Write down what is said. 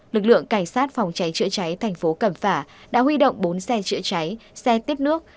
lực lượng cảnh sát phòng cháy chữa cháy thành phố cẩm phả đã huy động bốn xe chữa cháy xe tiếp nước